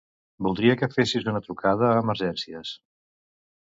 Voldria que fessis una trucada a Emergències.